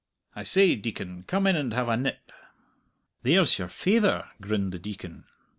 "I say, Deacon, come in and have a nip." "There's your faither," grinned the Deacon.